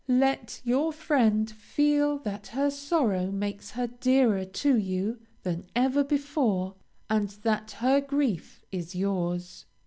Let your friend feel that her sorrow makes her dearer to you than ever before, and that her grief is yours.